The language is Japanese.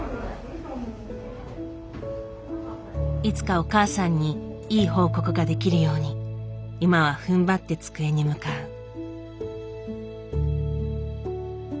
いつかお母さんにいい報告ができるように今はふんばって机に向かう。